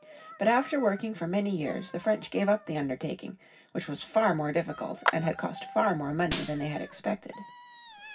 But after working for many years the French gave up the undertaking, which was far more difficult, and had cost far more money than they had expected.